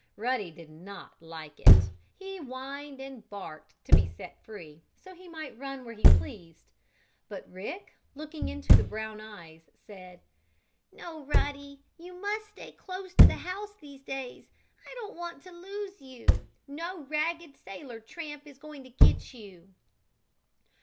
Ruddy did not like it. He whined and barked to be set free, so he might run where he pleased. But Rick, looking into the brown eyes said: "No, Ruddy; you must stay close to the house these days. I don't want to lose you. No ragged sailor tramp is going to get you!"